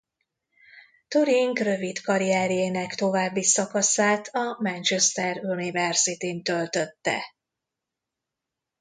Turing rövid karrierjének további szakaszát a Manchester University-n töltötte.